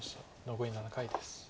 残り７回です。